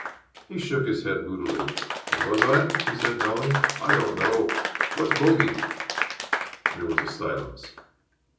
He shook his head moodily. "Was I?" he said, dully. "I don't know. What's bogey?" There was a silence.